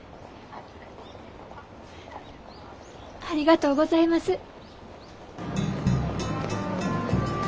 ありがとうございます。